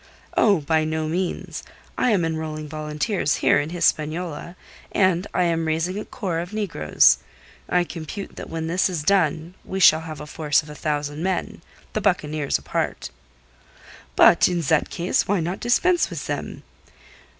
"Oh, by no means. I am enrolling volunteers here in Hispaniola, and I am raising a corps of negroes. I compute that when this is done we shall have a force of a thousand men, the buccaneers apart." "But in that case why not dispense with them?"